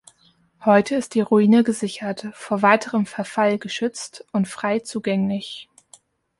Heute ist die Ruine gesichert, vor weiterem Verfall geschützt und frei zugänglich.